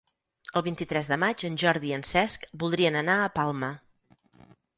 El vint-i-tres de maig en Jordi i en Cesc voldrien anar a Palma.